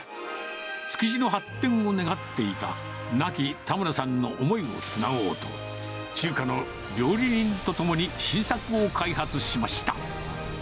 築地の発展を願っていた亡き、田村さんの思いをつなごうと、中華の料理人と共に新作を開発しました。